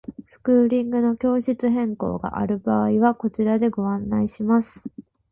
スクーリングの教室変更がある場合はこちらでご案内します。